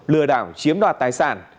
lừa đảo chiếm đoạt tài sản